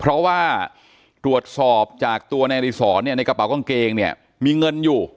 เพราะว่าตรวจสอบจากตัวนายอริสรเนี่ยในกระเป๋ากางเกงเนี่ยมีเงินอยู่